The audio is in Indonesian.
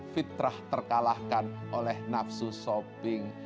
fitrah terkalahkan oleh nafsu shopping